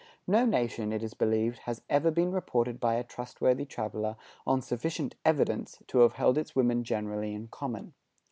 No nation, it is believed, has ever been reported by a trustworthy traveler, on sufficient evidence, to have held its women generally in common.